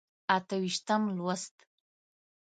اته ویشتم لوست.